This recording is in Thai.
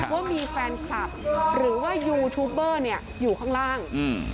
ว่ามีแฟนคลับหรือว่ายูทูบเบอร์เนี่ยอยู่ข้างล่างอืม